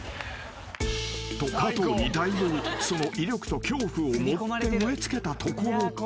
［と加藤にだいぶその威力と恐怖を盛って植え付けたところで］